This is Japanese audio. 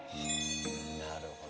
なるほど。